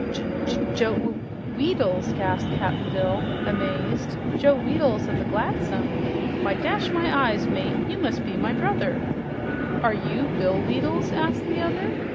"J J Joe Wee Weedles!" gasped Cap'n Bill, amazed. "Joe Weedles o' the 'Gladsome'! Why, dash my eyes, mate, you must be my brother!" "Are YOU Bill Weedles?" asked the other.